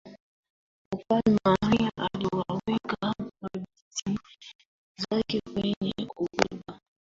mfalme henry aliwaweka mabinti zake kwenye orodha